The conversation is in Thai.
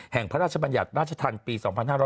พระราชบัญญัติราชธรรมปี๒๕๕๙